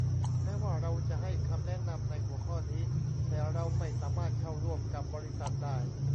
แม้ว่าเราจะให้คำแนะนำในหัวข้อนี้ แต่เราไม่สามารถเข้าร่วมกับบริษัทได้